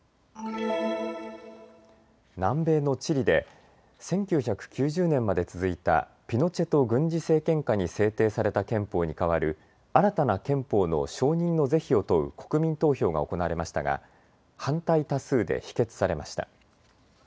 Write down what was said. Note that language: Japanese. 南米のチリで１９９０年まで続いたピノチェト軍事政権下に制定された憲法にかわる新たな憲法の承認の是非を問う国民投票が行われましたが反対多数で否決されました。